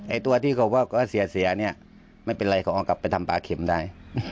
ไอ้ตัวที่เขาว่าก็เสียน่ะไม่เป็นไรเขาก็ออกกลับไปทำปลาเผ็ดแทมได้